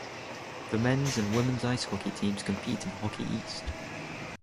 The men's and women's ice hockey teams compete in Hockey East.